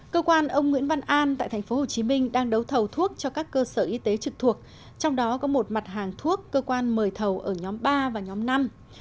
cơ quan ông nguyễn văn an tại tp hcm đang đấu thầu thuốc cho các cơ sở y tế trực thuộc trong đó có một mặt hàng thuốc cơ quan mời thầu ở nhóm ba và nhóm năm